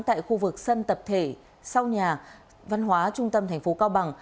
tại khu vực sân tập thể sau nhà văn hóa trung tâm thành phố cao bằng